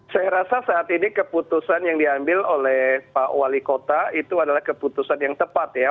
saya rasa saat ini keputusan yang diambil oleh pak wali kota itu adalah keputusan yang tepat ya